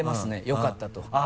よかったと。